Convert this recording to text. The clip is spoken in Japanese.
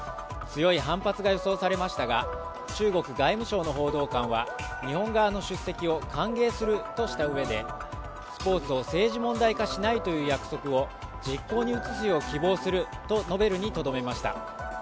強い反発が予想されましたが、中国外務省の報道官は日本側の出席を歓迎するとしたうえで、スポーツを政治問題化しないという約束を実行に移すよう希望すると述べるにとどめました。